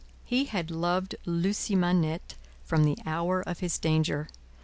He had loved Lucie Manette from the hour of his danger.